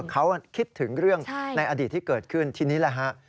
เขาคิดถึงเรื่องในอดีตที่เกิดขึ้นทีนี้แหละฮะ